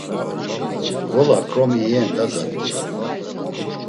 Gola ǩromi iyen da zat̆i!